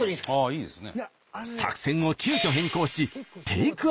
いいですよ。